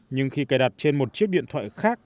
nhưng khi cài đặt trên một chiếc điện thoại khác